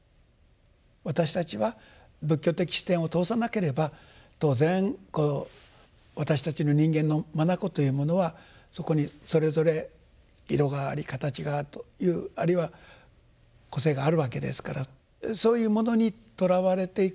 私たちは仏教的視点を通さなければ当然私たちの人間の眼というものはそこにそれぞれ色があり形があるというあるいは個性があるわけですからそういうものにとらわれていく。